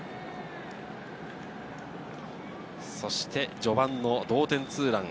そして序盤の同点ツーラン。